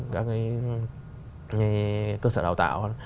các cái cơ sở đào tạo